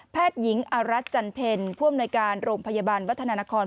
หญิงอรัชจันเพ็ญผู้อำนวยการโรงพยาบาลวัฒนานคร